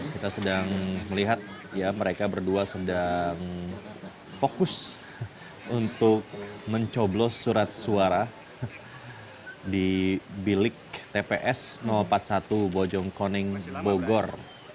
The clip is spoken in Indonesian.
kita sedang melihat ya mereka berdua sedang fokus untuk mencoblos surat suara di bilik tps empat puluh satu bojongkoning bogor